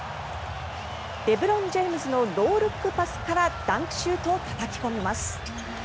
レブロン・ジェームズのノールックパスからダンクシュートをたたき込みます。